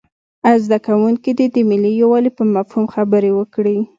زده کوونکي دې د ملي یووالي په مفهوم خبرې وکړي.